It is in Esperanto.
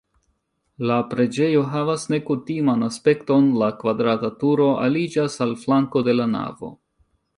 La preĝejo havas nekutiman aspekton, la kvadrata turo aliĝas al flanko de la navo.